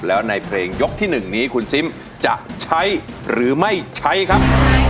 แล้วในเพลงยกที่๑นี้คุณซิมจะใช้หรือไม่ใช้ครับ